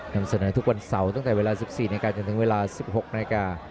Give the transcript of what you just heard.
นำเสนอทุกวันเสาร์ตั้งแต่เวลา๑๔นาทีจนถึงเวลา๑๖นาฬิกา